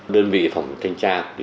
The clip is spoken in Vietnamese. đơn vị phòng thanh tra